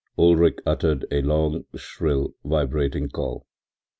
Ulrich uttered a long, shrill, vibrating call.